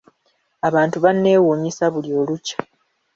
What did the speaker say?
Abantu banneewuunyisa buli olukya.